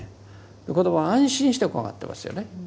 子どもは安心して怖がってますよね。